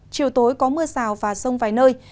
chiều tối có mưa rào và sông vài nơi